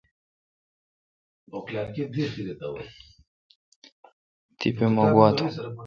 تی پہ مہ گواؙ تھم۔